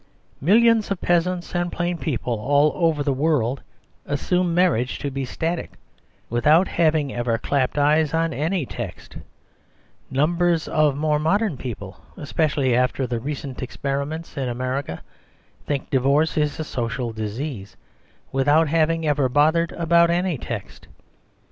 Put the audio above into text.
Millions of peasants and plain people all over the world assume marriage to be static, without having ever clapped eyes on any text Numbers of more modern people, especially after the re cent experiments in America, think divorce is a social disease, without having ever bothered about any text.